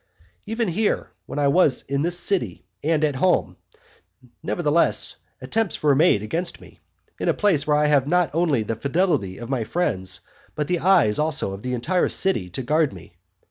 IX. Even here, when I was in the city and at home, nevertheless many attempts were made against me, in a place where I have not only the fidelity of my friends but the eyes also of the entire city to guard me.